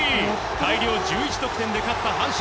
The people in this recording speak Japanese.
大量１１得点で勝った阪神。